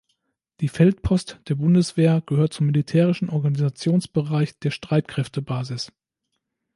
Die Feldpost der Bundeswehr gehört zum militärischen Organisationsbereich der Streitkräftebasis.